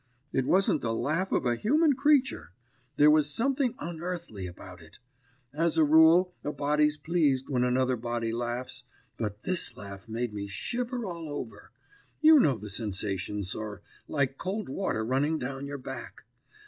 It wasn't the laugh of a human creature; there was something unearthly about it. As a rule, a body's pleased when another body laughs, but this laugh made me shiver all over; you know the sensation, sir, like cold water running down your back.